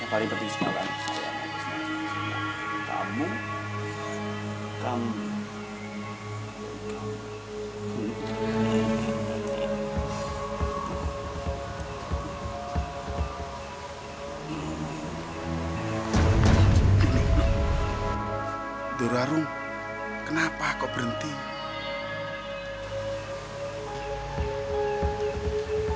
yang paling penting sekarang saluran yang bersenang senang